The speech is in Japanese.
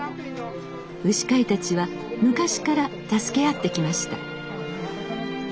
牛飼いたちは昔から助け合ってきました。